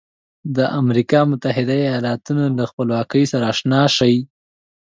د امریکا متحده ایالتونو له خپلواکۍ سره آشنا شئ.